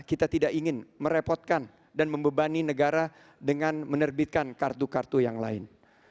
kita tidak ingin merepotkan dan membebani negara dengan menerbitkan kartu kartu yang lain